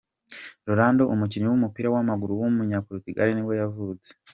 Rolando, umukinnyi w’umupira w’amaguru w’umunyaportugal nibwo yavutse.